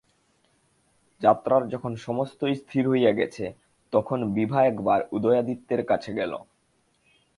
যাত্রার যখন সমস্তই স্থির হইয়া গেছে, তখন বিভা একবার উদয়াদিত্যের কাছে গেল!